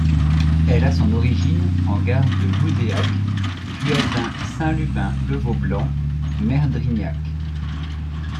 Elle a son origine en gare de Loudéac puis atteint Saint Lubin-le-Vaublanc, Merdrignac.